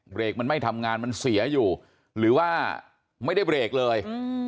เบรกมันไม่ทำงานมันเสียอยู่หรือว่าไม่ได้เบรกเลย